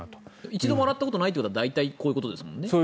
一度も洗ったことないのは大体こういうことですよね？